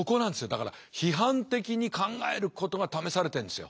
だから批判的に考えることが試されてんですよ。